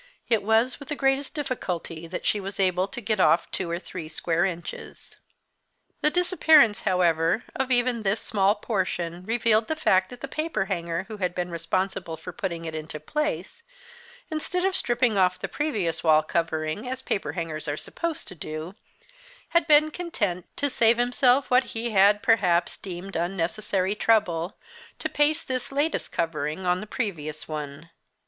It was with the greatest difficulty that she was able to get off two or three square inches. The disappearance, however, of even this small portion revealed the fact that the paper hanger who had been responsible for putting it into place, instead of stripping off the previous wall covering, as paperhangers are supposed to do, had been content, to save himself what he had, perhaps, deemed unnecessary trouble, to paste this latest covering on the previous one.